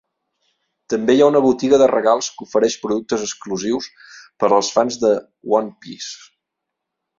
També hi ha una botiga de regals que ofereix productes exclusius per als fans de One Piece.